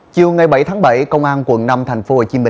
chiều ngày bảy tháng bảy công an quận năm tp hcm